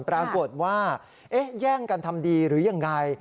ปรากฏว่าแย่งกันทำดีหรือยังไง